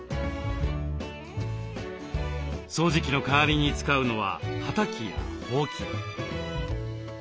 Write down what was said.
掃除機の代わりに使うのははたきやほうき。